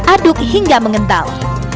aduk hingga mengental